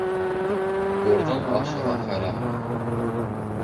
Бурҙың ашы ла хәрәм